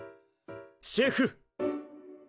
シェフ。